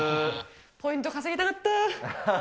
ポイント、稼ぎたかった。